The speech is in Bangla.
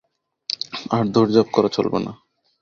আর দৌড়ঝাঁপ করা চলবে না।